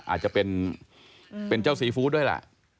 อาจจะเป็นเจ้าซีฟู้ดด้วยแหละ